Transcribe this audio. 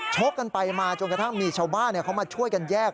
ชกกันไปมาจนกระทั่งมีชาวบ้านเขามาช่วยกันแยก